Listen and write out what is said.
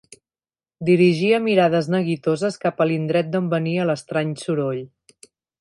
Dirigia mirades neguitoses cap a l'indret d'on venia l'estrany soroll.